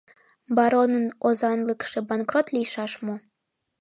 Баронын озанлыкше банкрот лийшаш мо?